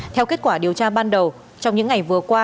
theo kết quả điều tra ban đầu trong những ngày vừa qua